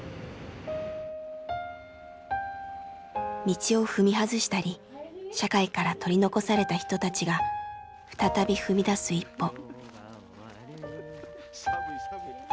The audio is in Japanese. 道を踏み外したり社会から取り残された人たちが再び踏み出す一歩。